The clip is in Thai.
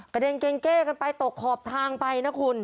เด็นเกงเก้กันไปตกขอบทางไปนะคุณ